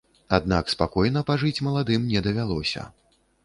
Аднак спакойна пажыць маладым не давялося.